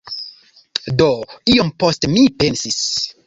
Do, iom poste mi pensis